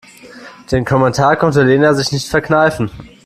Den Kommentar konnte Lena sich nicht verkneifen.